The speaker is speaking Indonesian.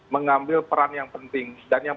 mengambil peran yang penting dan yang